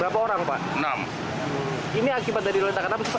berapa orang pak